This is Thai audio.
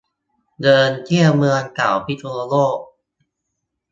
เดินเที่ยวเมืองเก่าพิษณุโลก